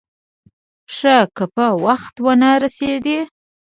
ښه که په وخت ونه رسېدې.